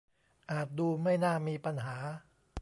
อาจดูไม่น่ามีปัญหา